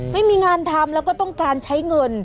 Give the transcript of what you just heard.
ไม่มีงานทำแล้วก็ต้องการใช้เงิน